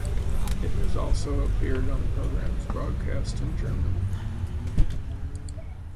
It has also appeared on programs broadcast in Germany.